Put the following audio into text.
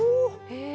へえ。